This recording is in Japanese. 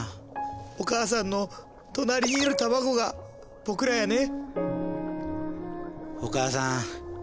お母さんの隣にいる卵が僕らやね。